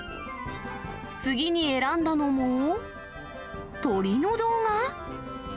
次に選んだのも鳥の動画。